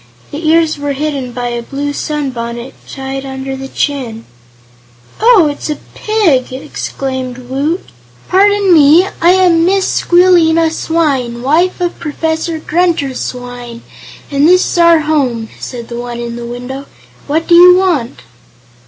The ears were hidden by a blue sunbonnet tied under the chin. "Oh; it's a pig!" exclaimed Woot. "Pardon me; I am Mrs. Squealina Swyne, wife of Professor Grunter Swyne, and this is our home," said the one in the window. "What do you want?"